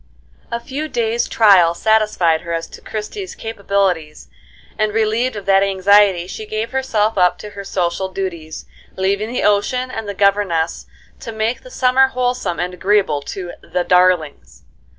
A few days' trial satisfied her as to Christie's capabilities, and, relieved of that anxiety, she gave herself up to her social duties, leaving the ocean and the governess to make the summer wholesome and agreeable to "the darlings."